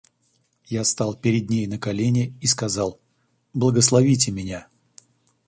Я стал перед ней на колени и сказал: — Благословите меня.